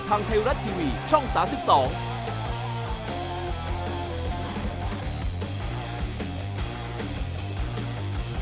ทางไทยรัตน์ทีวีช่องศาสตร์๑๒